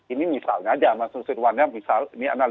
ini misalnya saja